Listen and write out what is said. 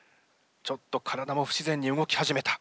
ちょっと体も不自然に動き始めた。